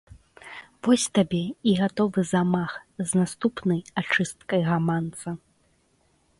Вось табе і гатовы замах з наступнай ачысткай гаманца.